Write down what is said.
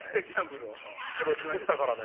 「これを作ったからね」